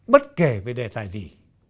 bất kể về đề tài gì